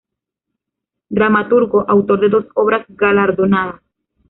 Dramaturgo, autor de dos obras galardonadas.